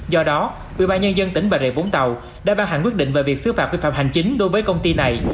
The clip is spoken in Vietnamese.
do đó ubnd tỉnh bà rìa vũng tàu đã ban hạng quyết định về việc xử phạt quy phạm hành chính đối với công ty này